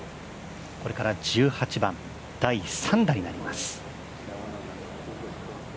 これから１８番、第３打になります。